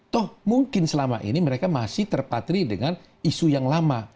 toh mungkin selama ini mereka masih terpatri dengan isu yang lama